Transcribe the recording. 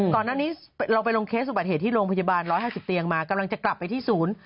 ก็ตัดแห่งที่พัศเลยุงของด้วย